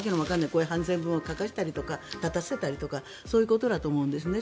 こういう反省文を書かせたり立たせたりそういうことだと思うんですね。